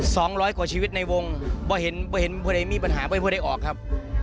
สองร้อยกว่าชีวิตในวงไม่เห็นผู้ใดมีปัญหาไม่เห็นผู้ใดออกครับ